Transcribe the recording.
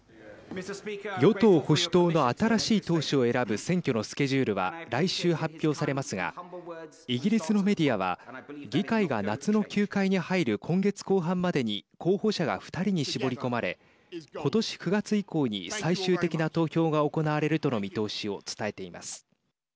与党・保守党の新しい党首を選ぶ選挙のスケジュールは来週、発表されますがイギリスのメディアは議会が夏の休会に入る今月後半までに候補者が２人に絞り込まれことし９月以降に最終的な投票が行われるとの見通しを伝えています。